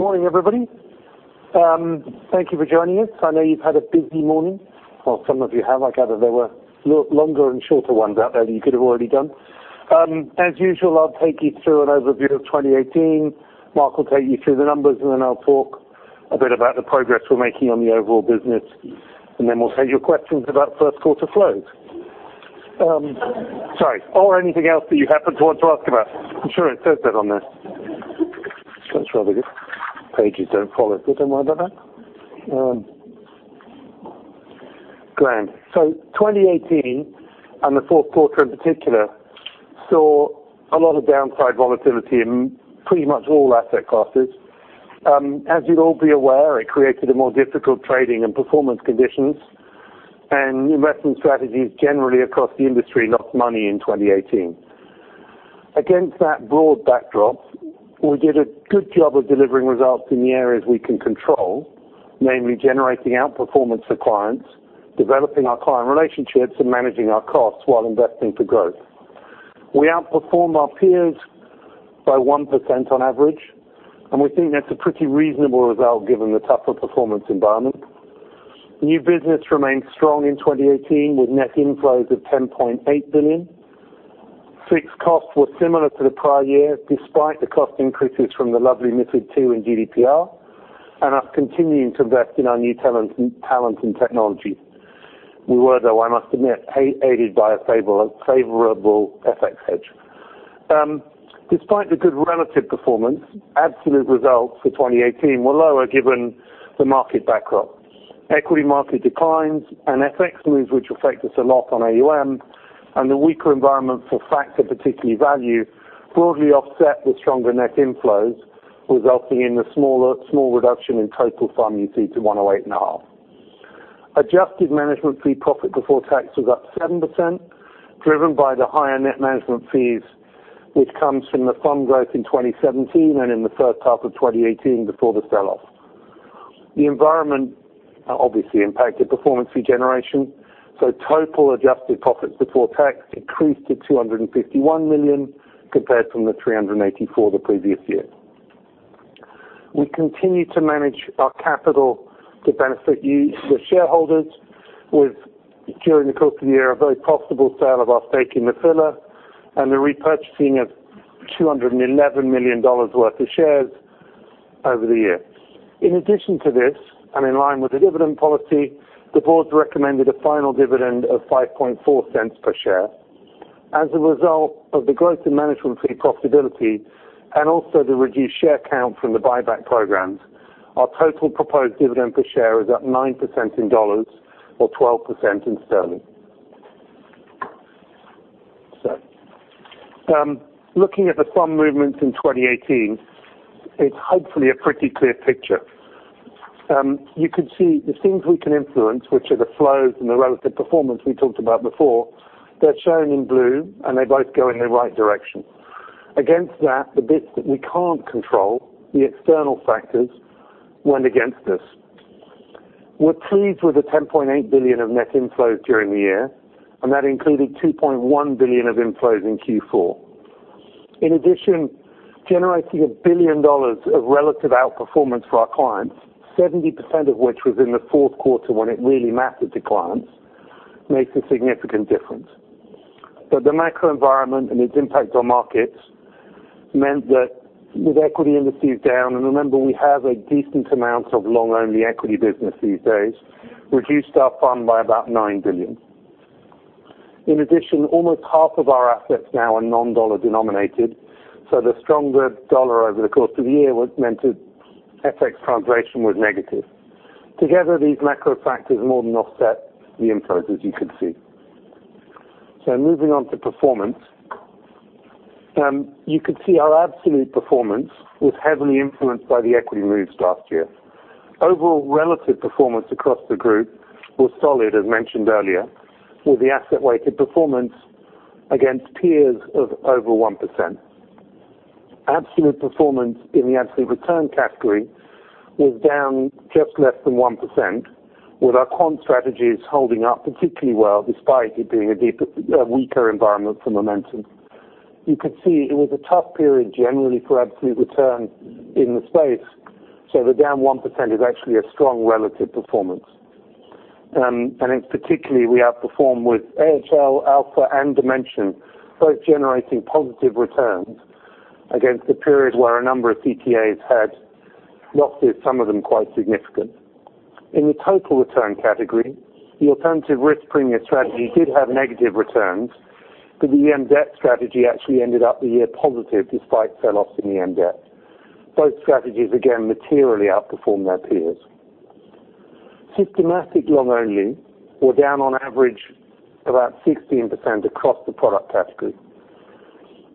Morning, everybody. Thank you for joining us. I know you've had a busy morning. Well, some of you have. I gather there were longer and shorter ones out there that you could have already done. As usual, I'll take you through an overview of 2018. Mark will take you through the numbers. Then I'll talk a bit about the progress we're making on the overall business. Then we'll take your questions about first quarter flows. Sorry. Anything else that you happen to want to ask about. I'm sure it says that on there. This one's rather good. Pages don't follow. Don't worry about that. Grand. 2018, and the fourth quarter in particular, saw a lot of downside volatility in pretty much all asset classes. As you'd all be aware, it created a more difficult trading and performance conditions. Investment strategies generally across the industry lost money in 2018. Against that broad backdrop, we did a good job of delivering results in the areas we can control, namely generating outperformance for clients, developing our client relationships, and managing our costs while investing for growth. We outperformed our peers by 1% on average. We think that's a pretty reasonable result given the tougher performance environment. New business remained strong in 2018 with net inflows of 10.8 billion. Fixed costs were similar to the prior year, despite the cost increases from the lovely MiFID II and GDPR, and us continuing to invest in our new talent and technology. We were, though, I must admit, aided by a favorable FX hedge. Despite the good relative performance, absolute results for 2018 were lower given the market backdrop. Equity market declines and FX moves, which affect us a lot on AUM, and the weaker environment for factor, particularly value, broadly offset with stronger net inflows, resulting in the small reduction in total AUM you see to 108.5 billion. Adjusted management fee profit before tax was up 7%, driven by the higher net management fees, which comes from the fund growth in 2017 and in the first half of 2018 before the sell-off. The environment obviously impacted performance fee generation. Total adjusted profits before tax decreased to 251 million compared from 384 million the previous year. We continue to manage our capital to benefit you, the shareholders, with, during the course of the year, a very profitable sale of our stake in Nephila and the repurchasing of $211 million worth of shares over the year. In addition to this, in line with the dividend policy, the board recommended a final dividend of 0.054 per share. As a result of the growth in management fee profitability and also the reduced share count from the buyback programs, our total proposed dividend per share is up 9% in dollars or 12% in sterling. Looking at the fund movements in 2018, it's hopefully a pretty clear picture. You can see the things we can influence, which are the flows and the relative performance we talked about before. They're shown in blue. They both go in the right direction. Against that, the bits that we can't control, the external factors, went against us. We're pleased with the 10.8 billion of net inflows during the year. That included 2.1 billion of inflows in Q4. In addition, generating $1 billion of relative outperformance for our clients, 70% of which was in the fourth quarter when it really mattered to clients, makes a significant difference. The macro environment and its impact on markets meant that with equity indices down, and remember, we have a decent amount of long-only equity business these days, reduced our fund by about $9 billion. In addition, almost half of our assets now are non-dollar denominated, so the stronger dollar over the course of the year meant FX translation was negative. Together, these macro factors more than offset the inflows, as you can see. Moving on to performance. You can see our absolute performance was heavily influenced by the equity moves last year. Overall relative performance across the group was solid, as mentioned earlier, with the asset-weighted performance against peers of over 1%. Absolute performance in the absolute return category was down just less than 1%, with our quant strategies holding up particularly well, despite it being a weaker environment for momentum. You could see it was a tough period generally for absolute return in the space, so the down 1% is actually a strong relative performance. In particular, we outperform with AHL, Alpha, and Dimension, both generating positive returns against a period where a number of CTAs had losses, some of them quite significant. In the total return category, the Alternative Risk Premia strategy did have negative returns, but the EM debt strategy actually ended up the year positive, despite sell-offs in EM debt. Both strategies, again, materially outperformed their peers. Systematic long only were down on average about 16% across the product category.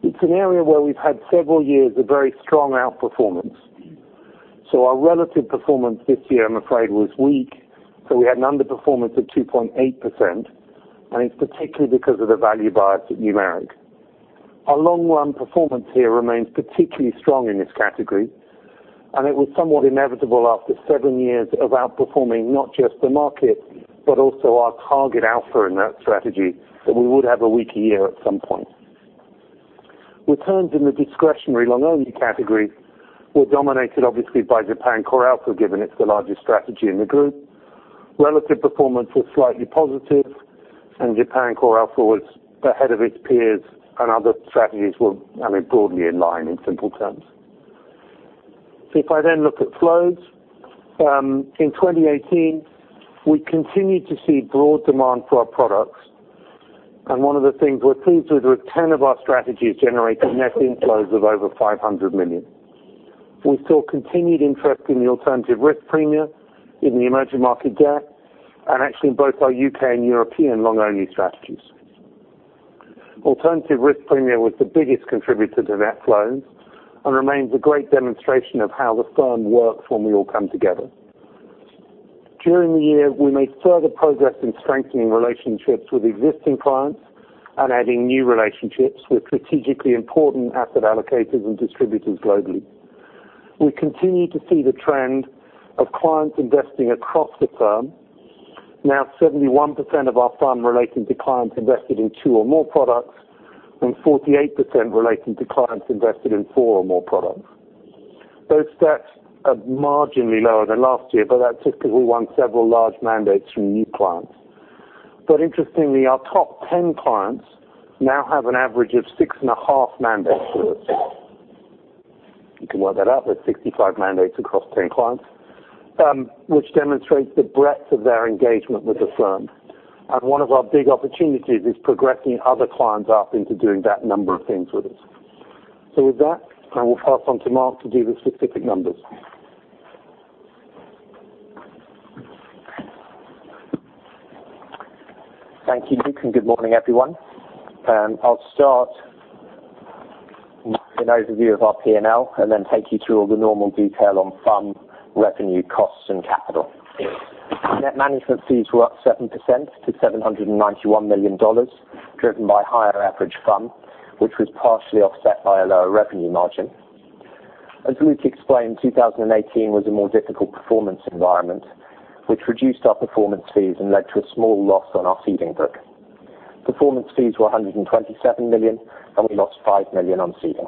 It is an area where we have had several years of very strong outperformance. Our relative performance this year, I am afraid, was weak, so we had an underperformance of 2.8%, and it is particularly because of the value bias at Numeric. Our long run performance here remains particularly strong in this category, and it was somewhat inevitable after seven years of outperforming not just the market, but also our target alpha in that strategy, that we would have a weaker year at some point. Returns in the discretionary long-only category were dominated obviously by Japan CoreAlpha, given it is the largest strategy in the group. Relative performance was slightly positive, and Japan CoreAlpha was ahead of its peers and other strategies were broadly in line in simple terms. If I then look at flows. In 2018, we continued to see broad demand for our products, and one of the things we are pleased with is 10 of our strategies generated net inflows of over $500 million. We saw continued interest in the alternative risk premia, in the emerging market debt, and actually in both our U.K. and European long-only strategies. Alternative risk premia was the biggest contributor to net flows and remains a great demonstration of how the firm works when we all come together. During the year, we made further progress in strengthening relationships with existing clients and adding new relationships with strategically important asset allocators and distributors globally. We continue to see the trend of clients investing across the firm. Now 71% of our firm relating to clients invested in two or more products and 48% relating to clients invested in four or more products. Those stats are marginally lower than last year, but that's just because we won several large mandates from new clients. Interestingly, our top 10 clients now have an average of six and a half mandates with us. You can work that out with 65 mandates across 10 clients, which demonstrates the breadth of their engagement with the firm. One of our big opportunities is progressing other clients up into doing that number of things with us. With that, I will pass on to Mark to do the specific numbers. Thank you, Luke, and good morning, everyone. I'll start with an overview of our P&L and then take you through all the normal detail on fund, revenue, costs, and capital. Net management fees were up 7% to $791 million, driven by higher average fund, which was partially offset by a lower revenue margin. As Luke explained, 2018 was a more difficult performance environment, which reduced our performance fees and led to a small loss on our seeding book. Performance fees were $127 million, and we lost $5 million on seeding.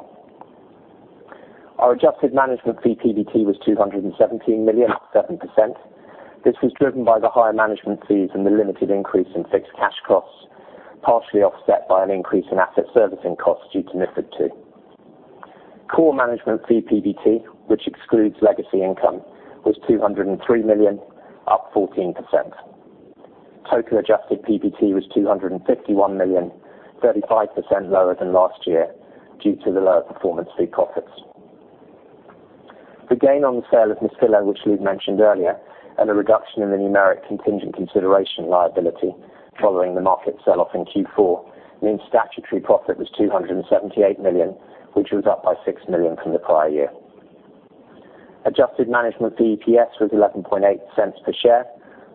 Our adjusted management fee PBT was $217 million, up 7%. This was driven by the higher management fees and the limited increase in fixed cash costs, partially offset by an increase in asset servicing costs due to MiFID II. Core management fee PBT, which excludes legacy income, was $203 million, up 14%. Total adjusted PBT was $251 million, 35% lower than last year due to the lower performance fee profits. The gain on the sale of Nephila, which Luke mentioned earlier, and a reduction in the Numeric contingent consideration liability following the market sell-off in Q4, means statutory profit was $278 million, which was up by $6 million from the prior year. Adjusted management fee EPS was $0.118 per share,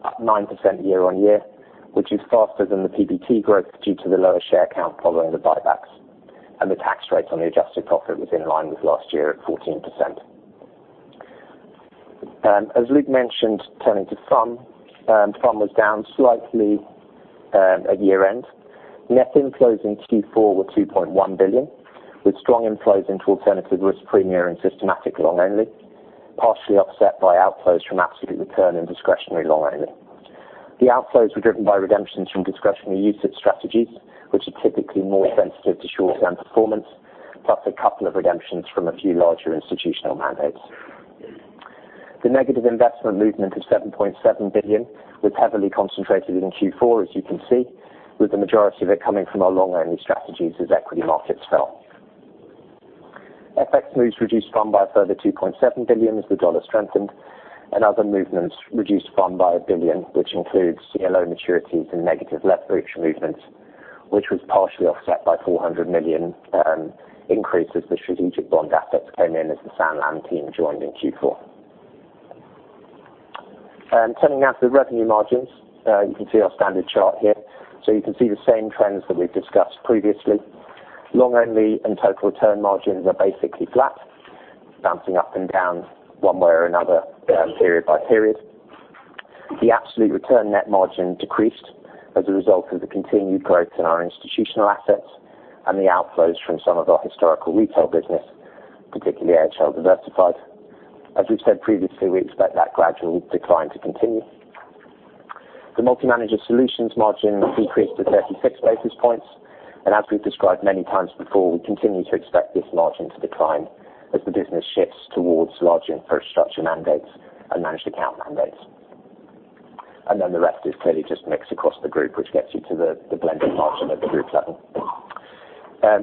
up 9% year-on-year, which is faster than the PBT growth due to the lower share count following the buybacks. The tax rate on the adjusted profit was in line with last year at 14%. As Luke mentioned, turning to fund. Fund was down slightly at year-end. Net inflows in Q4 were $2.1 billion, with strong inflows into alternative risk premia and systematic long only, partially offset by outflows from absolute return and discretionary long-only. The outflows were driven by redemptions from discretionary usage strategies, which are typically more sensitive to short-term performance, plus a couple of redemptions from a few larger institutional mandates. The negative investment movement is $7.7 billion, was heavily concentrated in Q4, as you can see, with the majority of it coming from our long-only strategies as equity markets fell. FX moves reduced fund by a further $2.7 billion as the dollar strengthened, and other movements reduced fund by $1 billion, which includes CLO maturities and negative leverage movements, which was partially offset by $400 million increase as the strategic bond assets came in as the Sanlam team joined in Q4. Turning now to the revenue margins. You can see our standard chart here. You can see the same trends that we've discussed previously. Long only and total return margins are basically flat, bouncing up and down one way or another, period by period. The absolute return net margin decreased as a result of the continued growth in our institutional assets and the outflows from some of our historical retail business, particularly AHL Diversified. As we've said previously, we expect that gradual decline to continue. The multi-manager solutions margin decreased to 36 basis points. The rest is clearly just mixed across the group, which gets you to the blended margin at the group level.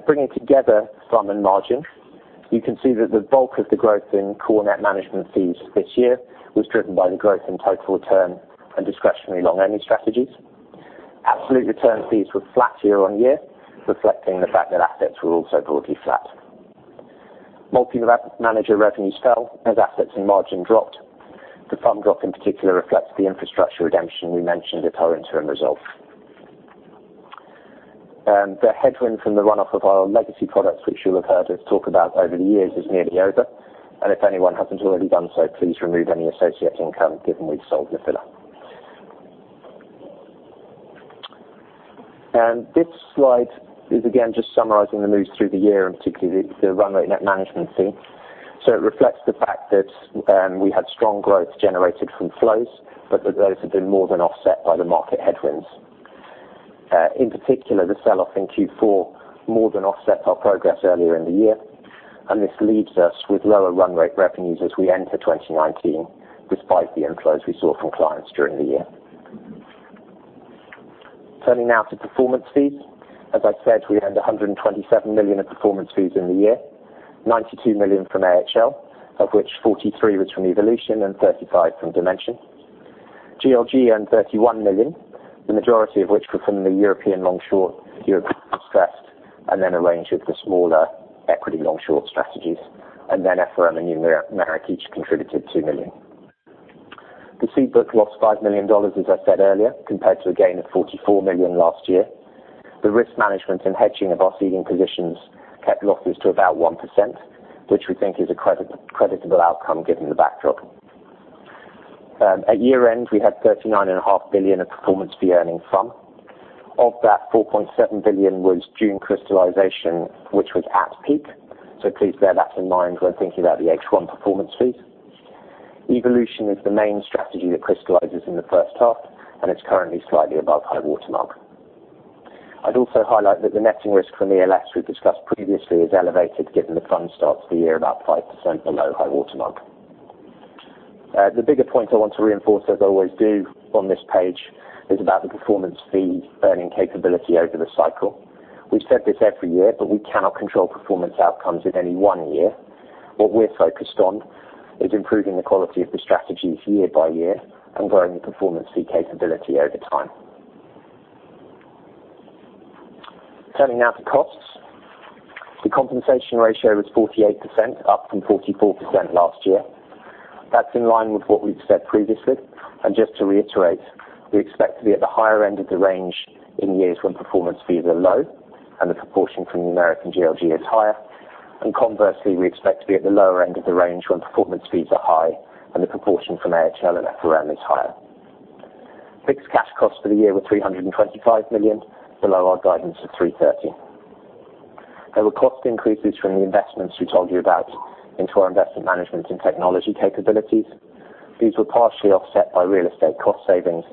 Bringing together fund and margin, you can see that the bulk of the growth in core net management fees this year was driven by the growth in total return and discretionary long-only strategies. Absolute return fees were flat year-on-year, reflecting the fact that assets were also broadly flat. Multi-manager revenues fell as assets and margin dropped. The fund drop, in particular, reflects the infrastructure redemption we mentioned at our interim results. The headwind from the run-off of our legacy products, which you'll have heard us talk about over the years, is nearly over. If anyone hasn't already done so, please remove any associate income given we've sold Nephila. This slide is again just summarizing the moves through the year, and particularly the run rate net management fee. It reflects the fact that we had strong growth generated from flows, but that those have been more than offset by the market headwinds. In particular, the sell-off in Q4 more than offset our progress earlier in the year. This leaves us with lower run rate revenues as we enter 2019 despite the inflows we saw from clients during the year. Turning now to performance fees. As I said, we earned $127 million of performance fees in the year, $92 million from AHL, of which $43 million was from Evolution and $35 million from Dimension. GLG earned $31 million, the majority of which were from the European Long Short, European Distressed, and then a range of the smaller equity long short strategies. FRM and Numeric each contributed $2 million. The seed book lost $5 million, as I said earlier, compared to a gain of $44 million last year. The risk management and hedging of our seeding positions kept losses to about 1%, which we think is a creditable outcome given the backdrop. At year-end, we had $39.5 billion of performance fee earnings from. Of that, $4.7 billion was June crystallization, which was at peak. Please bear that in mind when thinking about the H1 performance fees. Evolution is the main strategy that crystallizes in the first half, and it's currently slightly above high-water mark. I'd also highlight that the netting risk from ELS we've discussed previously is elevated given the fund starts the year about 5% below high-water mark. The bigger point I want to reinforce, as I always do on this page, is about the performance fee earning capability over the cycle. We've said this every year, but we cannot control performance outcomes in any one year. What we're focused on is improving the quality of the strategies year by year and growing the performance fee capability over time. Turning now to costs. The compensation ratio was 48%, up from 44% last year. That's in line with what we've said previously. Just to reiterate, we expect to be at the higher end of the range in years when performance fees are low and the proportion from Man GLG is higher. Conversely, we expect to be at the lower end of the range when performance fees are high and the proportion from AHL and FRM is higher. Fixed cash costs for the year were $325 million, below our guidance of $330 million. There were cost increases from the investments we told you about into our investment management and technology capabilities. These were partially offset by real estate cost savings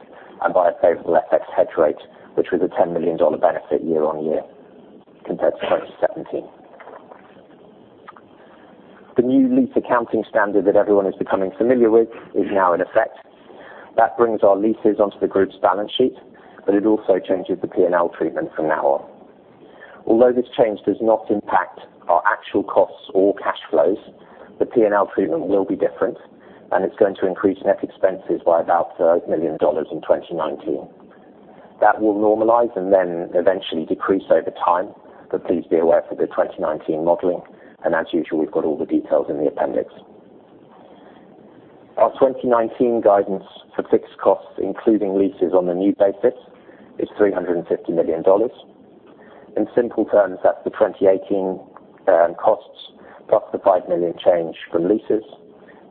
and by a favorable FX hedge rate, which was a $10 million benefit year-on-year compared to 2017. The new lease accounting standard that everyone is becoming familiar with is now in effect. That brings our leases onto the group's balance sheet, but it also changes the P&L treatment from now on. Although this change does not impact our actual costs or cash flows, the P&L treatment will be different, and it's going to increase net expenses by about $30 million in 2019. That will normalize and then eventually decrease over time, but please be aware for the 2019 modeling. As usual, we've got all the details in the appendix. Our 2019 guidance for fixed costs, including leases on the new basis, is $350 million. In simple terms, that's the 2018 costs plus the $5 million change from leases,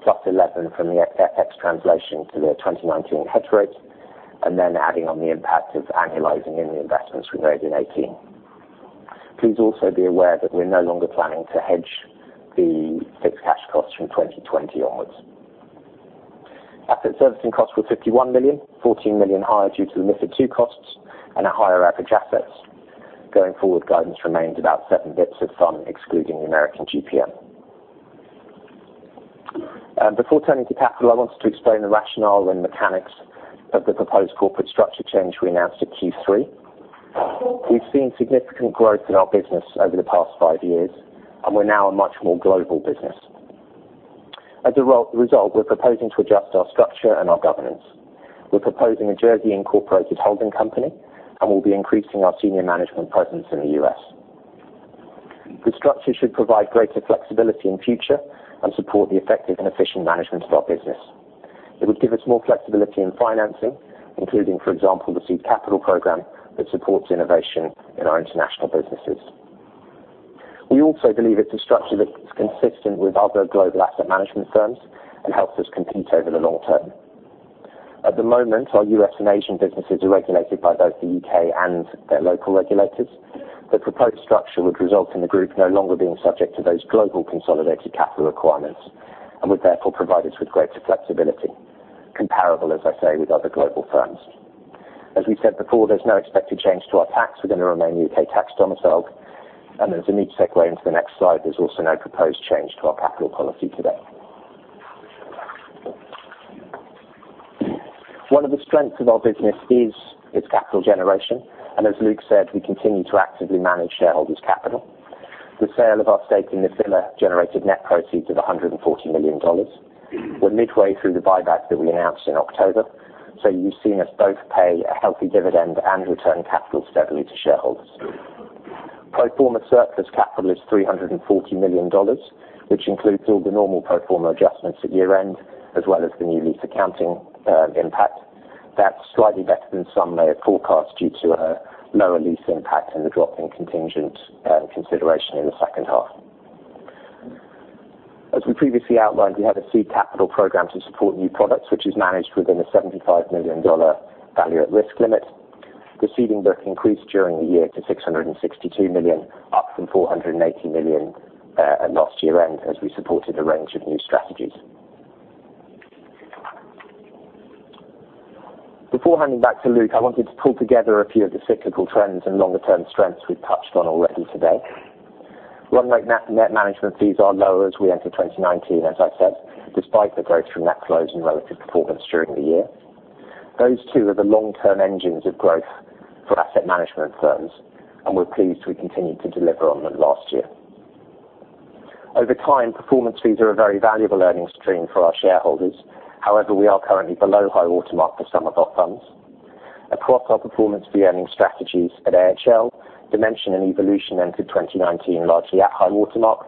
plus $11 from the FX translation to the 2019 hedge rate, then adding on the impact of annualizing any investments we made in 2018. Please also be aware that we're no longer planning to hedge the fixed cash costs from 2020 onwards. Asset servicing costs were $51 million, $14 million higher due to the MiFID II costs and our higher average assets. Going forward, guidance remains about seven basis points excluding the Man GPM. Before turning to capital, I wanted to explain the rationale and mechanics of the proposed corporate structure change we announced at Q3. We've seen significant growth in our business over the past five years, and we're now a much more global business. As a result, we're proposing to adjust our structure and our governance. We're proposing a Jersey-incorporated holding company and will be increasing our senior management presence in the U.S. This structure should provide greater flexibility in future and support the effective and efficient management of our business. It would give us more flexibility in financing, including, for example, the seed capital program that supports innovation in our international businesses. We also believe it's a structure that is consistent with other global asset management firms and helps us compete over the long term. At the moment, our U.S. and Asian businesses are regulated by both the U.K. and their local regulators. The proposed structure would result in the group no longer being subject to those global consolidated capital requirements and would therefore provide us with greater flexibility, comparable, as I say, with other global firms. As we've said before, there's no expected change to our tax. We're going to remain U.K. tax domiciled. As a neat segue into the next slide, there's also no proposed change to our capital policy today. One of the strengths of our business is its capital generation. As Luke said, we continue to actively manage shareholders' capital. The sale of our stake in Nephila generated net proceeds of $140 million. We're midway through the buyback that we announced in October, so you've seen us both pay a healthy dividend and return capital steadily to shareholders. Pro forma surplus capital is $340 million, which includes all the normal pro forma adjustments at year-end as well as the new lease accounting impact. That's slightly better than some may have forecast due to a lower lease impact and the drop in contingent consideration in the second half. As we previously outlined, we have a seed capital program to support new products, which is managed within a $75 million value at risk limit. The seeding book increased during the year to $662 million, up from $480 million at last year-end, as we supported a range of new strategies. Before handing back to Luke, I wanted to pull together a few of the cyclical trends and longer-term strengths we've touched on already today. Run rate net management fees are lower as we enter 2019, as I said, despite the growth from net flows and relative performance during the year. Those two are the long-term engines of growth for asset management firms, and we're pleased we continued to deliver on them last year. Over time, performance fees are a very valuable earnings stream for our shareholders. However, we are currently below high watermark for some of our funds. Across our performance fee earning strategies at AHL, Dimension, and Evolution entered 2019 largely at high watermark,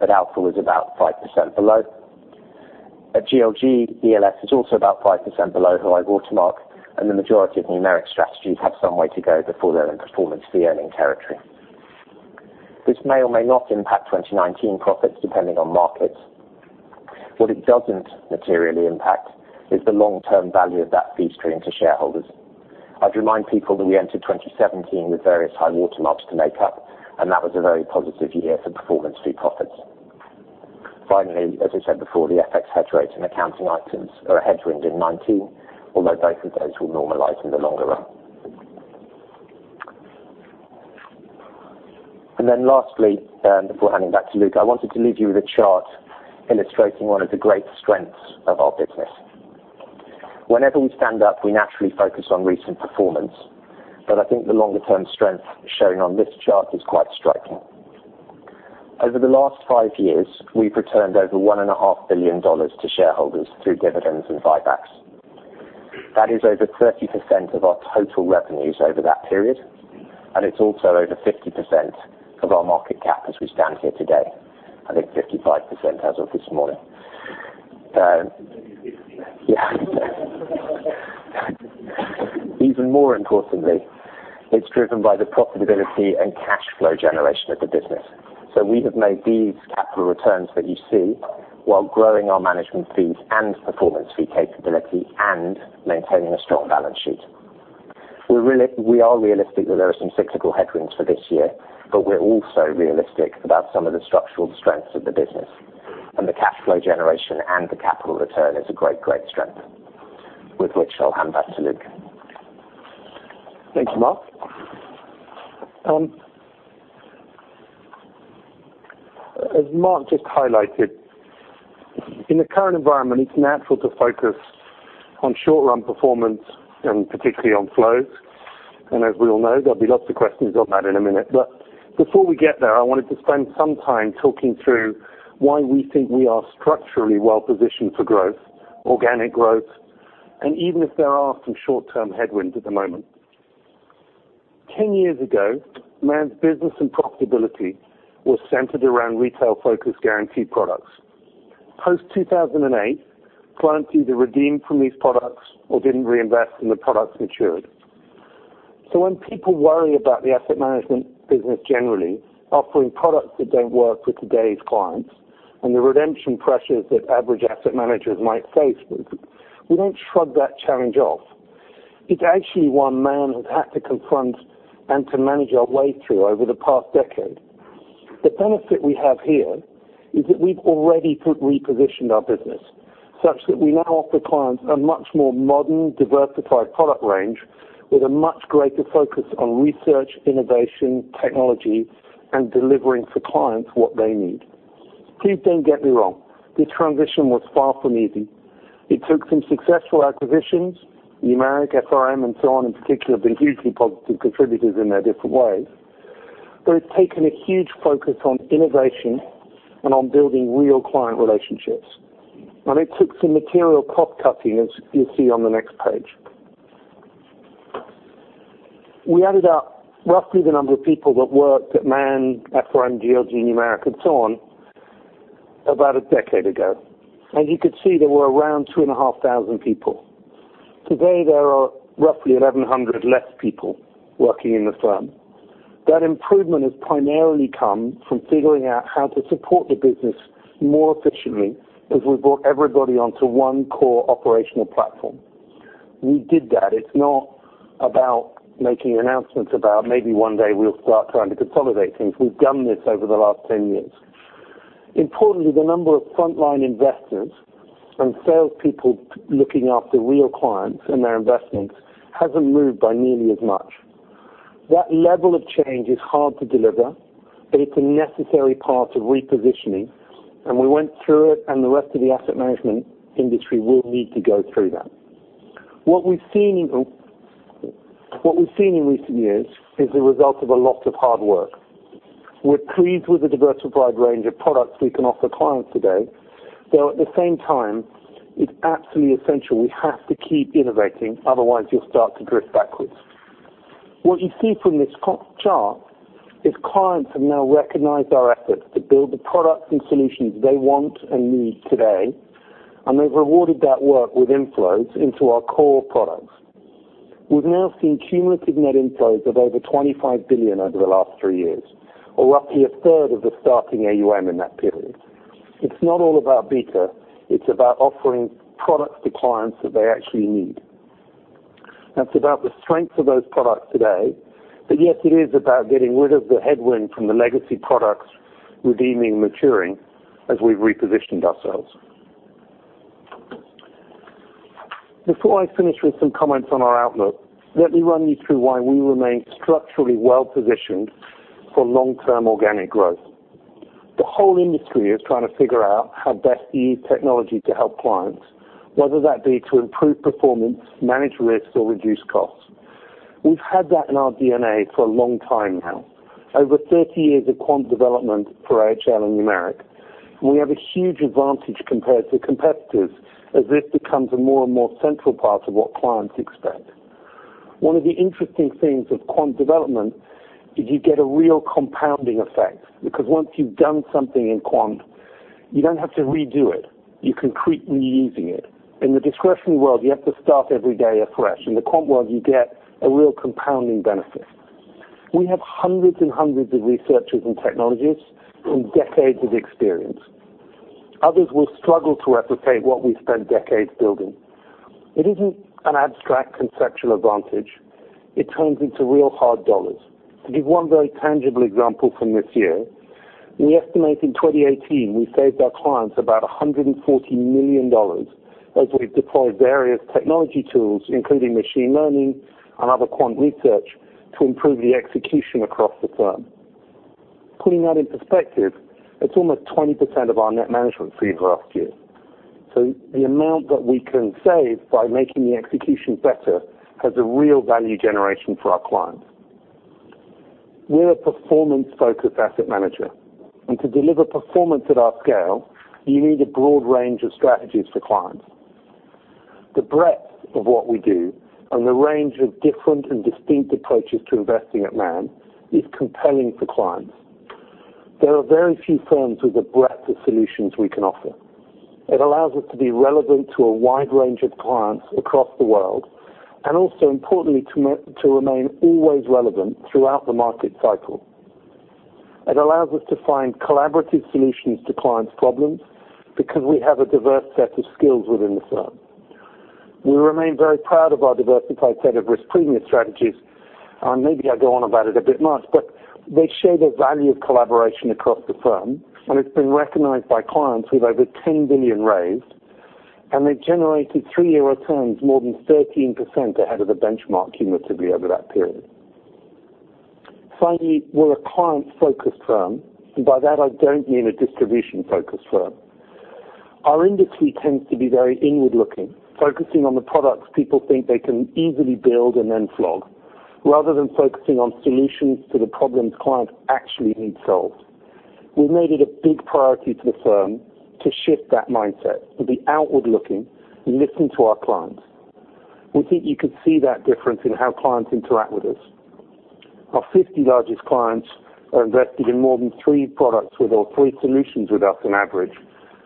but Alpha was about 5% below. At GLG, ELS is also about 5% below high watermark, and the majority of Numeric strategies have some way to go before they're in performance fee earning territory. This may or may not impact 2019 profits, depending on markets. What it doesn't materially impact is the long-term value of that fee stream to shareholders. I'd remind people that we entered 2017 with various high watermarks to make up, and that was a very positive year for performance fee profits. As I said before, the FX hedge rates and accounting items are a headwind in 2019, although both of those will normalize in the longer run. Lastly, before handing back to Luke, I wanted to leave you with a chart illustrating one of the great strengths of our business. Whenever we stand up, we naturally focus on recent performance, but I think the longer-term strength showing on this chart is quite striking. Over the last five years, we've returned over $1.5 billion to shareholders through dividends and buybacks. That is over 30% of our total revenues over that period, and it's also over 50% of our market cap as we stand here today. I think 55% as of this morning. Yeah. Even more importantly, it's driven by the profitability and cash flow generation of the business. We have made these capital returns that you see while growing our management fees and performance fee capability and maintaining a strong balance sheet. We are realistic that there are some cyclical headwinds for this year, we're also realistic about some of the structural strengths of the business and the cash flow generation and the capital return is a great strength. With which I'll hand back to Luke. Thanks, Mark. As Mark just highlighted, in the current environment, it's natural to focus on short-run performance and particularly on flows. As we all know, there'll be lots of questions on that in a minute. Before we get there, I wanted to spend some time talking through why we think we are structurally well-positioned for growth, organic growth, and even if there are some short-term headwinds at the moment. 10 years ago, Man's business and profitability was centered around retail-focused guaranteed products. Post-2008, clients either redeemed from these products or didn't reinvest when the products matured. When people worry about the asset management business generally offering products that don't work with today's clients and the redemption pressures that average asset managers might face, we don't shrug that challenge off. It's actually one Man has had to confront and to manage our way through over the past decade. The benefit we have here is that we've already repositioned our business such that we now offer clients a much more modern, diversified product range with a much greater focus on research, innovation, technology, and delivering for clients what they need. Please don't get me wrong. This transition was far from easy. It took some successful acquisitions, Numeric, FRM, and so on, in particular, have been hugely positive contributors in their different ways. It's taken a huge focus on innovation and on building real client relationships. It took some material crop cutting, as you'll see on the next page. We added up roughly the number of people that worked at Man, FRM, GLG, Numeric, and so on about a decade ago. As you could see, there were around 2,500 people. Today, there are roughly 1,100 less people working in the firm. That improvement has primarily come from figuring out how to support the business more efficiently as we brought everybody onto one core operational platform. We did that. It's not about making announcements about maybe one day we'll start trying to consolidate things. We've done this over the last 10 years. Importantly, the number of frontline investors and salespeople looking after real clients and their investments hasn't moved by nearly as much. That level of change is hard to deliver, but it's a necessary part of repositioning, and we went through it, and the rest of the asset management industry will need to go through that. What we've seen in recent years is the result of a lot of hard work. We're pleased with the diversified range of products we can offer clients today, though at the same time, it's absolutely essential we have to keep innovating, otherwise you'll start to drift backwards. What you see from this chart is clients have now recognized our efforts to build the products and solutions they want and need today, and they've rewarded that work with inflows into our core products. We've now seen cumulative net inflows of over $25 billion over the last three years, or roughly a third of the starting AUM in that period. It's not all about beta. It's about offering products to clients that they actually need. It is about the strength of those products today, but yet it is about getting rid of the headwind from the legacy products redeeming maturing as we've repositioned ourselves. Before I finish with some comments on our outlook, let me run you through why we remain structurally well-positioned for long-term organic growth. The whole industry is trying to figure out how best to use technology to help clients, whether that be to improve performance, manage risks, or reduce costs. We've had that in our DNA for a long time now. Over 30 years of quant development for AHL and Numeric, and we have a huge advantage compared to competitors as this becomes a more and more central part of what clients expect. One of the interesting things with quant development is you get a real compounding effect, because once you've done something in quant, you don't have to redo it. You can keep reusing it. In the discretionary world, you have to start every day afresh. In the quant world, you get a real compounding benefit. We have hundreds and hundreds of researchers and technologists with decades of experience. Others will struggle to replicate what we've spent decades building. It isn't an abstract conceptual advantage. It turns into real hard dollars. To give one very tangible example from this year, we estimate in 2018, we saved our clients about $140 million as we've deployed various technology tools, including machine learning and other quant research to improve the execution across the firm. Putting that in perspective, that's almost 20% of our net management fee for last year. The amount that we can save by making the execution better has a real value generation for our clients. We're a performance-focused asset manager, and to deliver performance at our scale, you need a broad range of strategies for clients. The breadth of what we do and the range of different and distinct approaches to investing at Man is compelling for clients. There are very few firms with the breadth of solutions we can offer. It allows us to be relevant to a wide range of clients across the world, and also importantly, to remain always relevant throughout the market cycle. It allows us to find collaborative solutions to clients' problems because we have a diverse set of skills within the firm. We remain very proud of our diversified set of risk premium strategies. Maybe I go on about it a bit much, but they share the value of collaboration across the firm, and it's been recognized by clients with over 10 billion raised, and they've generated three-year returns more than 13% ahead of the benchmark cumulatively over that period. Finally, we're a client-focused firm, and by that I don't mean a distribution-focused firm. Our industry tends to be very inward-looking, focusing on the products people think they can easily build and then flog, rather than focusing on solutions to the problems clients actually need solved. We've made it a big priority for the firm to shift that mindset, to be outward-looking and listen to our clients. We think you can see that difference in how clients interact with us. Our 50 largest clients are invested in more than three products with or three solutions with us on average.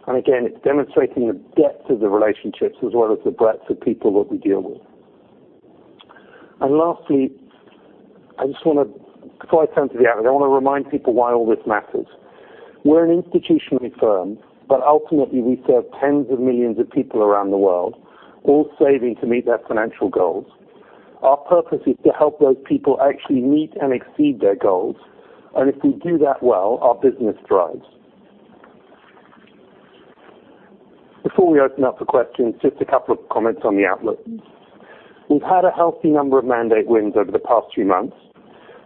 And again, it's demonstrating the depth of the relationships as well as the breadth of people that we deal with. And lastly, before I turn to the outlook, I want to remind people why all this matters. We're an institutional firm, but ultimately we serve tens of millions of people around the world, all saving to meet their financial goals. Our purpose is to help those people actually meet and exceed their goals. And if we do that well, our business thrives. Before we open up for questions, just a couple of comments on the outlook. We've had a healthy number of mandate wins over the past few months,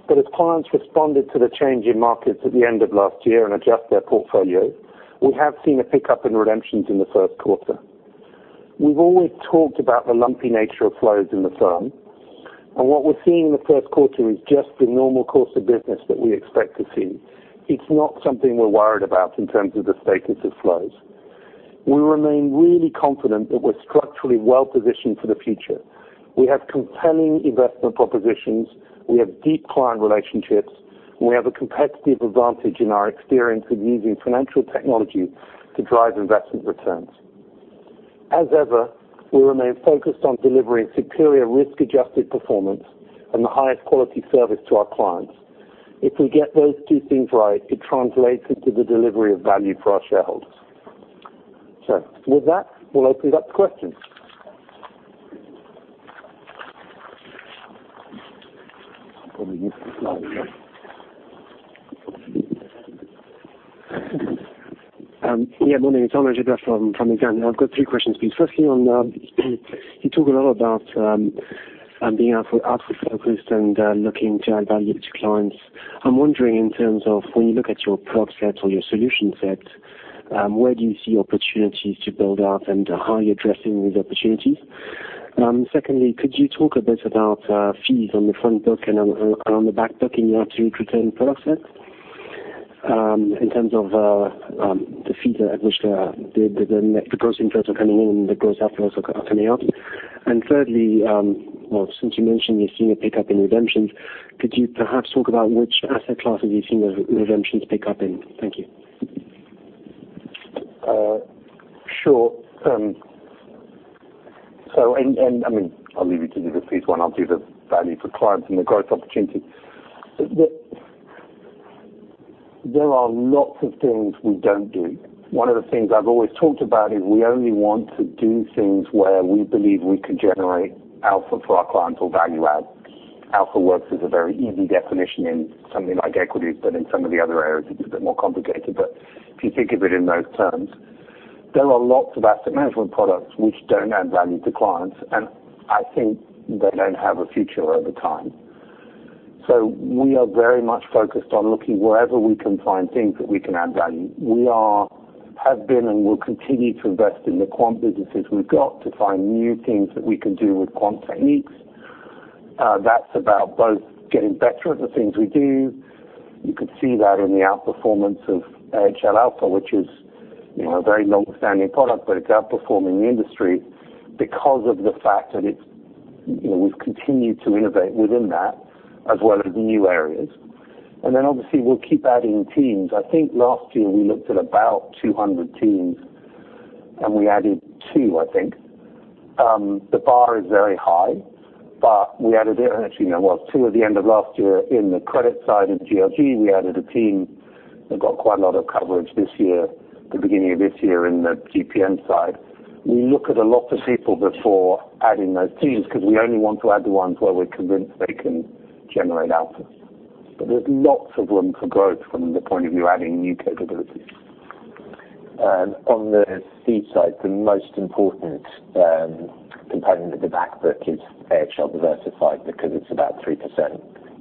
but as clients responded to the change in markets at the end of last year and adjust their portfolio, we have seen a pickup in redemptions in the first quarter. We've always talked about the lumpy nature of flows in the firm, and what we're seeing in the first quarter is just the normal course of business that we expect to see. It's not something we're worried about in terms of the status of flows. We remain really confident that we're structurally well-positioned for the future. We have compelling investment propositions. We have deep client relationships. We have a competitive advantage in our experience of using financial technology to drive investment returns. As ever, we remain focused on delivering superior risk-adjusted performance and the highest quality service to our clients. If we get those two things right, it translates into the delivery of value for our shareholders. With that, we'll open it up to questions. Probably use this slide here. Yeah. Morning, Thomas Judder from Exane. I've got three questions for you. Firstly, you talk a lot about being outward-focused and looking to add value to clients. I'm wondering in terms of when you look at your product set or your solution set, where do you see opportunities to build out and how are you addressing these opportunities? Secondly, could you talk a bit about fees on the front book and around the back book in your two retained product sets, in terms of the fees at which the gross inflows are coming in and the gross outflows are coming out? Thirdly, well, since you mentioned you're seeing a pickup in redemptions, could you perhaps talk about which asset classes you're seeing those redemptions pick up in? Thank you. Sure. I mean, I'll leave you to do the fees one. I'll do the value for clients and the growth opportunity. There are lots of things we don't do. One of the things I've always talked about is we only want to do things where we believe we can generate alpha for our clients or value add. Alpha works is a very easy definition in something like equities, but in some of the other areas it's a bit more complicated. If you think of it in those terms, there are lots of asset management products which don't add value to clients, and I think they don't have a future over time. We are very much focused on looking wherever we can find things that we can add value. We are, have been, and will continue to invest in the quant businesses we've got to find new things that we can do with quant techniques. That's about both getting better at the things we do. You could see that in the outperformance of AHL Alpha, which is a very long-standing product, but it's outperforming the industry because of the fact that we've continued to innovate within that, as well as new areas. Obviously we'll keep adding teams. I think last year we looked at about 200 teams and we added two, I think. The bar is very high, but we added, well, two at the end of last year in the credit side of GLG. We added a team that got quite a lot of coverage this year, the beginning of this year in the GPM side. We look at a lot of people before adding those teams because we only want to add the ones where we're convinced they can generate alpha. There's lots of room for growth from the point of view adding new capabilities. On the fee side, the most important component of the back book is AHL Diversified because it's about 3%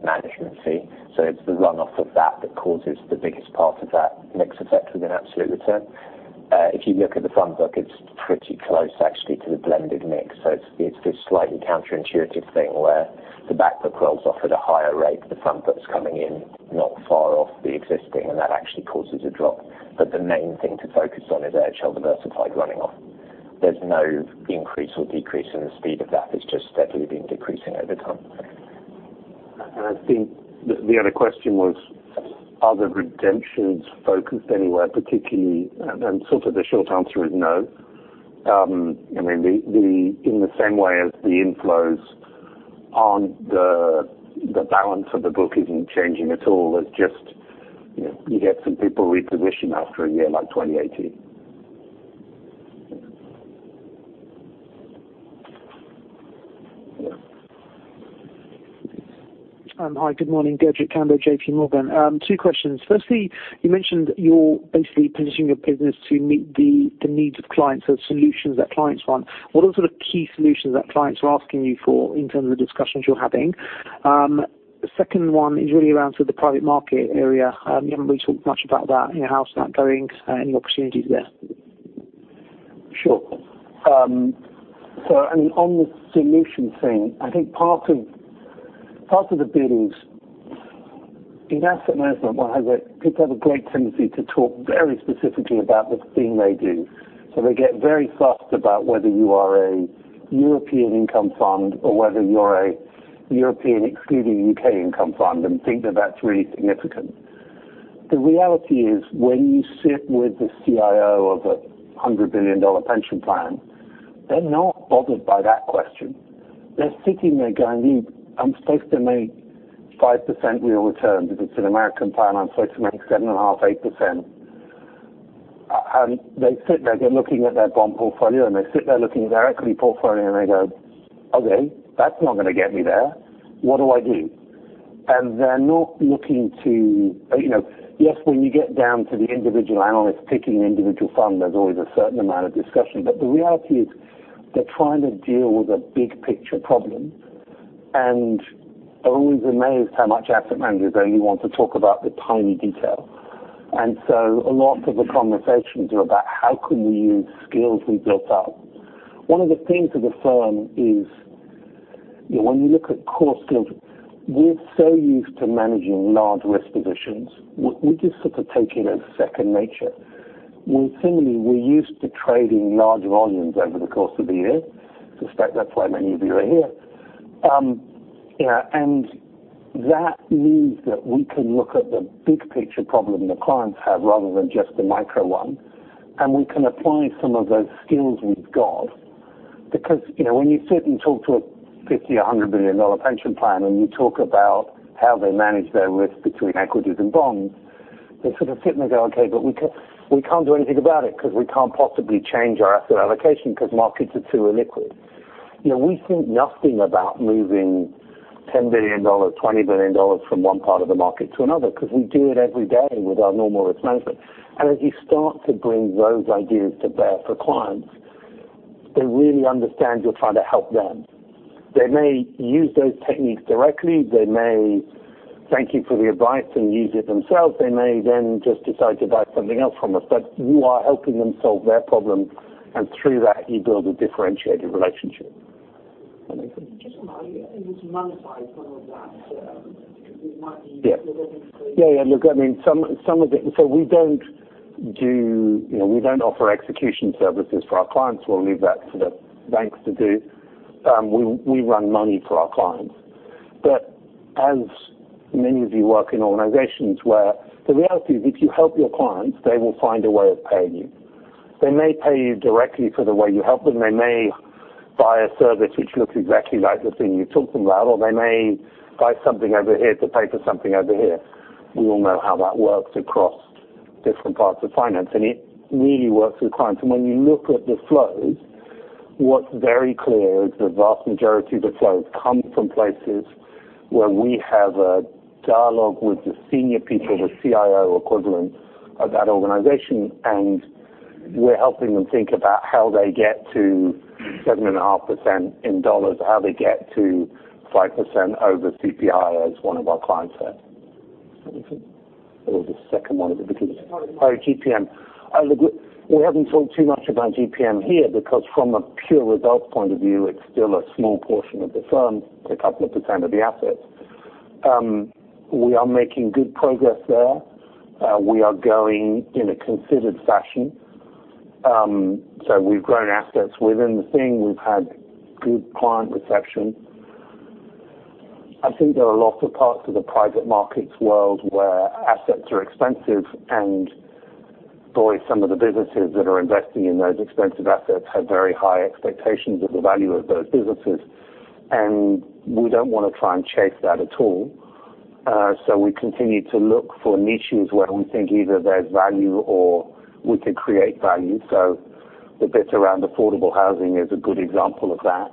management fee. It's the runoff of that that causes the biggest part of that mix effect with an absolute return. If you look at the front book, it's pretty close actually to the blended mix. It's this slightly counterintuitive thing where the back book rolls off at a higher rate, the front book's coming in not far off the existing, and that actually causes a drop. The main thing to focus on is AHL Diversified running off. There's no increase or decrease in the speed of that. It's just steadily been decreasing over time. I think the other question was, are the redemptions focused anywhere particularly? Sort of the short answer is no. I mean, in the same way as the inflows aren't the balance of the book isn't changing at all. It's just you get some people reposition after a year like 2018. Hi, good morning. Gurjit Kambo, JPMorgan. Two questions. Firstly, you mentioned you're basically positioning your business to meet the needs of clients or solutions that clients want. What are the key solutions that clients are asking you for in terms of the discussions you're having? The second one is really around the private market area. You haven't really talked much about that. How's that going? Any opportunities there? Sure. On the solution thing, I think part of the business in asset management, people have a great tendency to talk very specifically about the thing they do. They get very fast about whether you are a European income fund or whether you're a European excluding U.K. income fund, and think that that's really significant. The reality is when you sit with the CIO of a $100 billion pension plan, they're not bothered by that question. They're sitting there going, "I'm supposed to make 5% real return because it's an American plan. I'm supposed to make 7.5%, 8%." They sit there, they're looking at their bond portfolio. They sit there looking at their equity portfolio, and they go, "Okay, that's not going to get me there. What do I do?" They're not looking to. When you get down to the individual analyst picking an individual fund, there's always a certain amount of discussion. The reality is they're trying to deal with a big picture problem and always amazed how much asset managers only want to talk about the tiny detail. A lot of the conversations are about how can we use skills we built up. One of the things as a firm is when you look at core skills, we're so used to managing large risk positions. We just sort of take it as second nature. Similarly, we're used to trading large volumes over the course of the year. I suspect that's why many of you are here. That means that we can look at the big picture problem the clients have rather than just the micro one, and we can apply some of those skills we've got because when you sit and talk to a $50 billion or a $100 billion pension plan, and you talk about how they manage their risk between equities and bonds, they sort of sit and they go, "Okay, but we can't do anything about it because we can't possibly change our asset allocation because markets are too illiquid." We think nothing about moving $10 billion, $20 billion from one part of the market to another because we do it every day with our normal risk management. As you start to bring those ideas to bear for clients, they really understand you're trying to help them. They may use those techniques directly. They may thank you for the advice and use it themselves. They may then just decide to buy something else from us, you are helping them solve their problem, through that you build a differentiated relationship. Just on that, you need to monetize some of that. Yeah. Look, some of it, we don't offer execution services for our clients. We'll leave that to the banks to do. We run money for our clients. As many of you work in organizations where the reality is if you help your clients, they will find a way of paying you. They may pay you directly for the way you help them. They may buy a service which looks exactly like the thing you told them about, or they may buy something over here to pay for something over here. We all know how that works across different parts of finance, and it really works with clients. When you look at the flows, what's very clear is the vast majority of the flows come from places where we have a dialogue with the senior people, the CIO equivalent of that organization. We're helping them think about how they get to 7.5% in dollars, how they get to 5% over CPI, as one of our clients said. Is that what you think? The second one at the beginning. GPM. GPM. We haven't talked too much about GPM here because from a pure results point of view, it's still a small portion of the firm, a couple of % of the assets. We are making good progress there. We are going in a considered fashion. We've grown assets within the thing. We've had good client reception. I think there are lots of parts of the private markets world where assets are expensive, and boy, some of the businesses that are investing in those expensive assets have very high expectations of the value of those businesses. We don't want to try and chase that at all. We continue to look for niches where we think either there's value or we could create value. The bit around affordable housing is a good example of that,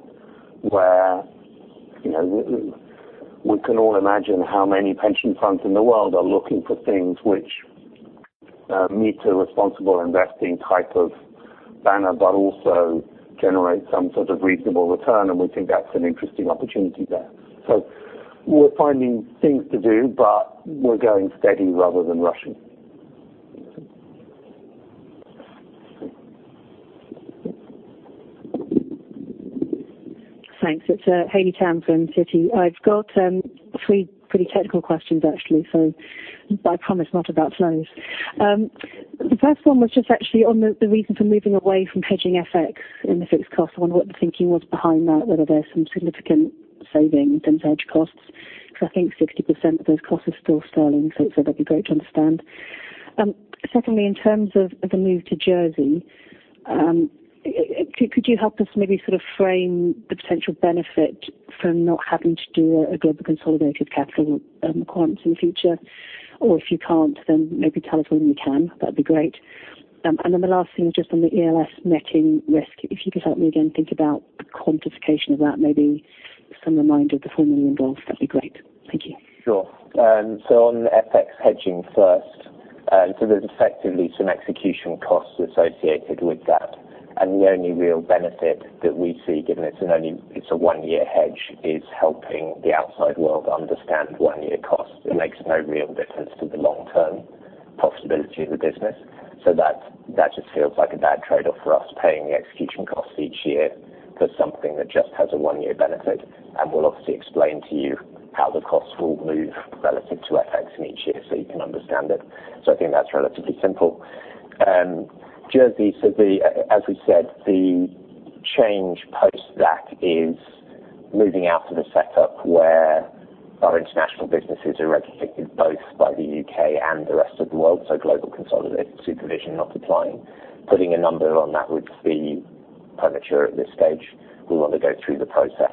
where we can all imagine how many pension funds in the world are looking for things which meet a responsible investing type of banner, but also generate some sort of reasonable return. We think that's an interesting opportunity there. We're finding things to do, but we're going steady rather than rushing. Thanks. It's Haley Tam from Citi. I've got three pretty technical questions, actually, so I promise, not about flows. The first one was just actually on the reason for moving away from hedging FX in the fixed cost. I wonder what the thinking was behind that, whether there's some significant savings in hedge costs. Because I think 60% of those costs are still sterling, so that'd be great to understand. Secondly, in terms of the move to Jersey, could you help us maybe frame the potential benefit from not having to do a global consolidated capital requirements in the future? Or if you can't, then maybe tell us when you can. That'd be great. The last thing is just on the ELS netting risk. If you could help me again think about the quantification of that, maybe some reminder of the formula involved, that'd be great. Thank you. Sure. On FX hedging first, there's effectively some execution costs associated with that. The only real benefit that we see, given it's a one-year hedge, is helping the outside world understand one-year costs. It makes no real difference to the long-term profitability of the business. That just feels like a bad trade-off for us, paying the execution costs each year for something that just has a one-year benefit. We'll obviously explain to you how the costs will move relative to FX in each year so you can understand it. I think that's relatively simple. Jersey, as we said, the change post-that is moving out of a setup where our international businesses are regulated both by the U.K. and the rest of the world, so global consolidated supervision not applying. Putting a number on that would be premature at this stage. We want to go through the process.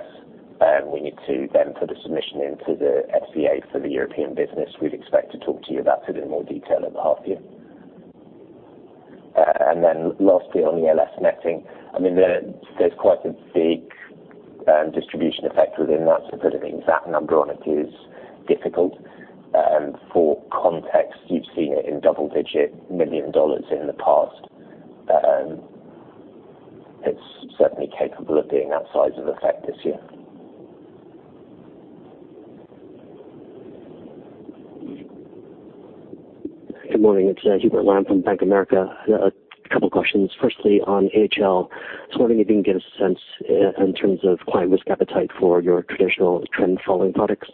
We need to then put a submission into the FCA for the European business. We'd expect to talk to you about it in more detail at the half year. Lastly, on the ELS netting, there's quite a big distribution effect within that. Putting an exact number on it is difficult. For context, you've seen it in $double-digit million in the past. It's certainly capable of being that size of effect this year. Good morning. It's Hubert Lam from Bank of America. A couple questions. Firstly, on AHL, just wondering if you can give us a sense in terms of client risk appetite for your traditional trend following products.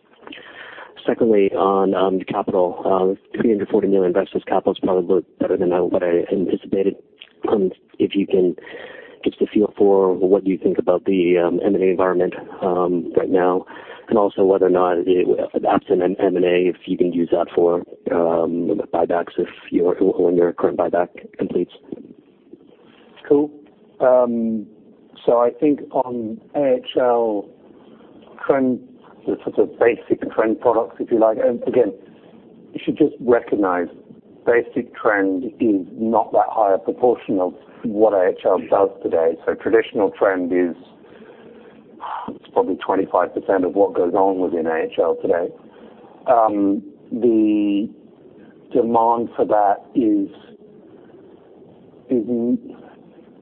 Secondly, on capital, $340 million investors capital is probably better than what I anticipated. If you can give us a feel for what you think about the M&A environment right now, and also whether or not that's an M&A, if you can use that for buybacks when your current buyback completes. I think on AHL trend, the sort of basic trend products, if you like. Again, you should just recognize basic trend is not that high a proportion of what AHL does today. Traditional trend is probably 25% of what goes on within AHL today. The demand for that is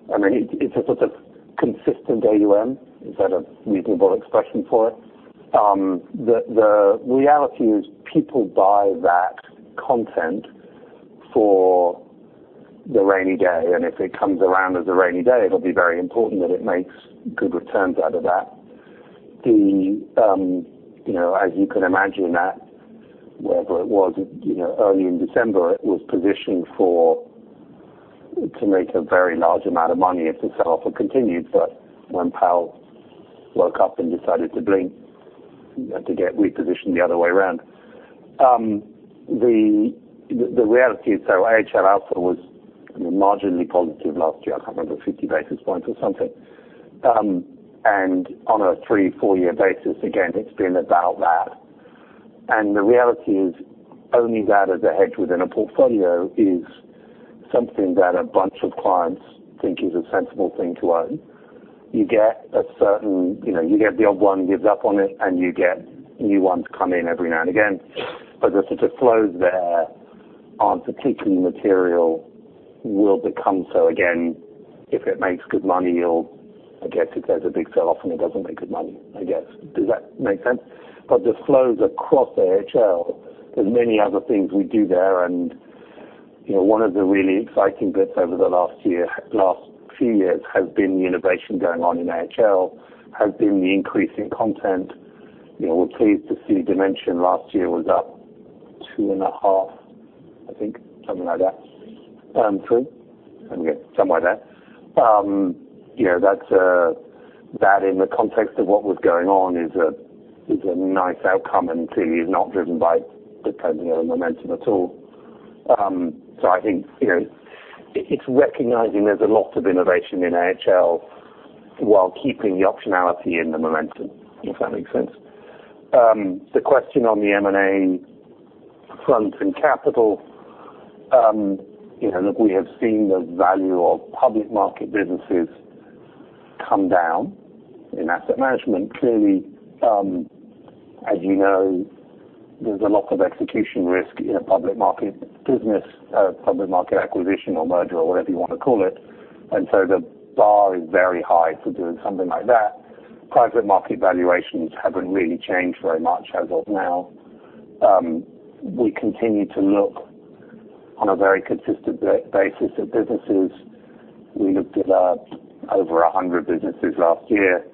a sort of consistent AUM. Is that a reasonable expression for it? The reality is people buy that content for the rainy day, and if it comes around as a rainy day, it will be very important that it makes good returns out of that. As you can imagine that wherever it was early in December, it was positioned for to make a very large amount of money if the sell-off had continued, but when Powell woke up and decided to blink, to get repositioned the other way around. The reality is, AHL Alpha was marginally positive last year, I cannot remember, 50 basis points or something. On a three, four-year basis, again, it has been about that. The reality is only that as a hedge within a portfolio is something that a bunch of clients think is a sensible thing to own. You get the odd one gives up on it and you get new ones come in every now and again. The sort of flows there are not particularly material, will become so again if it makes good money or I guess if there is a big sell-off and it does not make good money, I guess. Does that make sense? The flows across AHL, there is many other things we do there and one of the really exciting bits over the last few years has been the innovation going on in AHL, has been the increase in content. We are pleased to see AHL Dimension last year was up two and a half, I think, something like that. Three? Okay, something like that. That in the context of what was going on is a nice outcome and clearly is not driven by the momentum at all. I think it is recognizing there is a lot of innovation in AHL while keeping the optionality in the momentum, if that makes sense. The question on the M&A front and capital. Look, we have seen the value of public market businesses come down in asset management. Clearly, as you know, there is a lot of execution risk in a public market business, public market acquisition or merger or whatever you want to call it. The bar is very high for doing something like that. Private market valuations have not really changed very much as of now. We continue to look on a very consistent basis at businesses. We looked at over 100 businesses last year.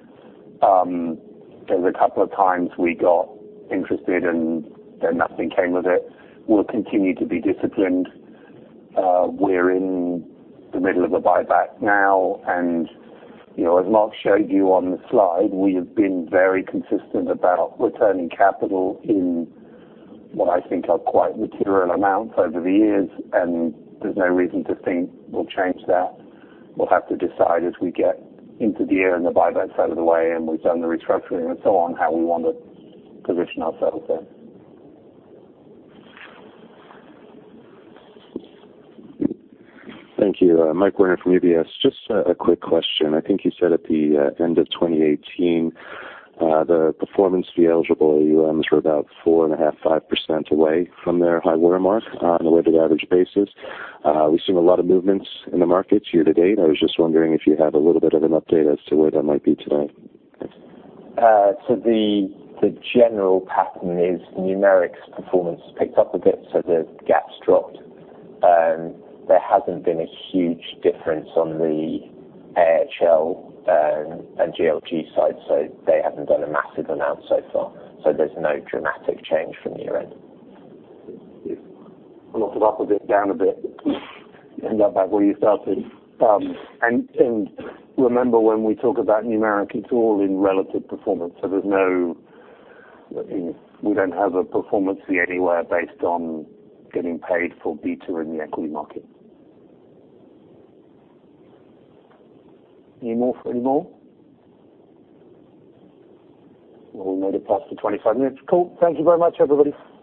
There was a couple of times we got interested and then nothing came of it. We'll continue to be disciplined. We're in the middle of a buyback now, as Mark showed you on the slide, we have been very consistent about returning capital in what I think are quite material amounts over the years. There's no reason to think we'll change that. We'll have to decide as we get into the year and the buyback's out of the way and we've done the restructuring and so on, how we want to position ourselves there. Thank you. Michael Werner from UBS. Just a quick question. I think you said at the end of 2018, the performance fee eligible AUMs were about 4.5%-5% away from their high watermark on a weighted average basis. We've seen a lot of movements in the markets year to date. I was just wondering if you have a little bit of an update as to where that might be today. The general pattern is Numeric performance picked up a bit, so the gaps dropped. There hasn't been a huge difference on the AHL and GLG side, so they haven't done a massive amount so far. There's no dramatic change from year-end. If you knock it up a bit, down a bit, you end up about where you started. Remember when we talk about Numeric, it's all in relative performance. We don't have a performance fee anywhere based on getting paid for beta in the equity market. Any more for anymore? Well, we made it past the 25 minutes call. Thank you very much, everybody.